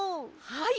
はい！